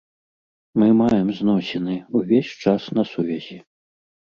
Мы маем зносіны, увесь час на сувязі.